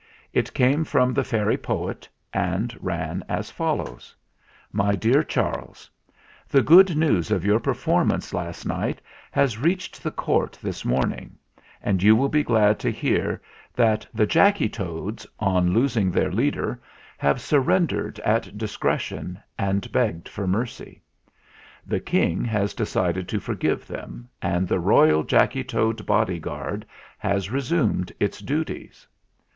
It came from the fairy poet and ran as follows: "My dear Charles, "The good news of your performance last night has reached the Court this morning, and you will be glad to hear that the Jacky Toads, on losing their leader, have surrendered at discretion and begged for mercy. The King has decided to forgive them, and the royal Jacky Toad bodyguard has resumed its duties.